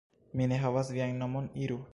Mi ne havas vian monon, iru!